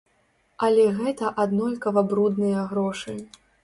Але гэта аднолькава брудныя грошы.